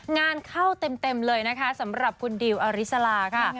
งานเข้าเต็มเลยนะคะสำหรับคุณดิวอริสลาค่ะ